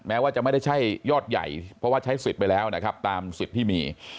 แม้ว่าจะไม่ได้ใช่ยอดใหญ่เพราะว่าใช้สิทธิ์ไปแล้วนะครับตามสิทธิ์ที่มี